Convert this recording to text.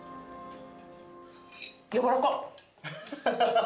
やわらかっ！